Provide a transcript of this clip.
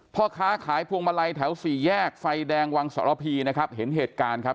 พ่อค้าขายพวงมาลัยแถวสี่แยกไฟแดงวังสรพีนะครับเห็นเหตุการณ์ครับ